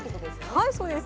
はいそうです。